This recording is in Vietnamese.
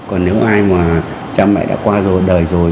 còn nếu ai mà cha mẹ đã qua rồi đời rồi